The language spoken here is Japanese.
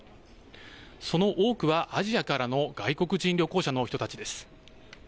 その多くはアジアからの外国人旅行者の人たちです。